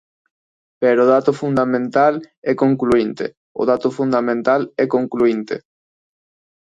Pero o dato fundamental é concluínte; o dato fundamental é concluínte.